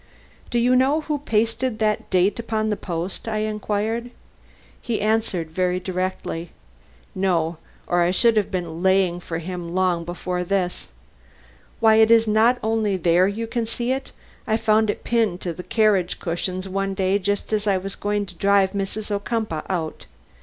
"Do you know who pasted that date upon the post?" I inquired. He answered very directly. "No, or I should have been laying for him long before this. Why, it is not only there you can see it. I found it pinned to the carriage cushions one day just as I was going to drive Mrs. Ocumpaugh out."